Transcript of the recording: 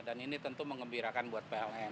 dan ini tentu mengembirakan buat pln